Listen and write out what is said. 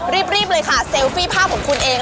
รีบเลยค่ะเซลฟี่ภาพของคุณเอง